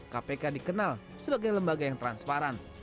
kpk dikenal sebagai lembaga yang transparan